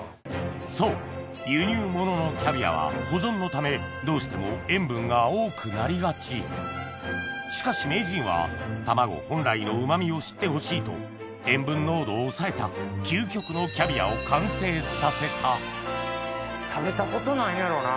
そう輸入物のキャビアは保存のためどうしても塩分が多くなりがちしかし名人は卵本来のうま味を知ってほしいと塩分濃度を抑えたを完成させた食べたことないんやろな。